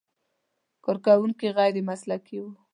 کارکوونکي غیر مسلکي و.